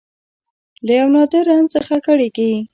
له یو نادر رنځ څخه کړېږي